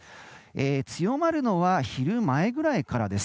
強まるのは昼前くらいからです。